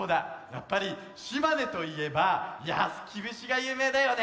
やっぱり島根といえば「やすぎぶし」がゆうめいだよね。